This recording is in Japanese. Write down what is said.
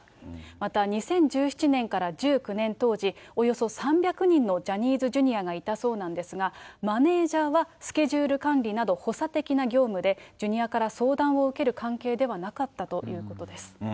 また２０１７年から１９年当時、およそ３００人のジャニーズＪｒ．がいたそうなんですが、マネージャーはスケジュール管理など、補佐的な業務で、ジュニアから相談を受ける関係ではなかったということです。